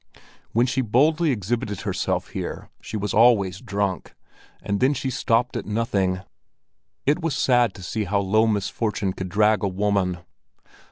When she boldly exhibited herself here, she was always drunk, and then she stopped at nothing. It was sad to see how low misfortune could drag a woman.